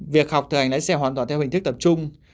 việc học thực hành lái xe hoàn toàn theo hình thức tập trung